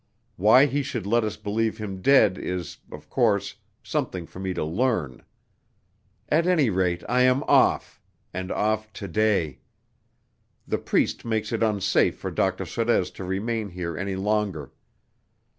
Why he should let us believe him dead is, of course, something for me to learn. At any rate, I am off, and off to day. The priest makes it unsafe for Dr. Sorez to remain here any longer.